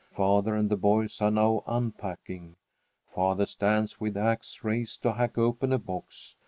Father and the boys are now unpacking. Father stands with axe raised to hack open a box.